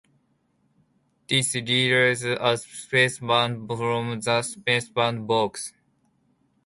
This releases a "spaceband" from the spaceband box.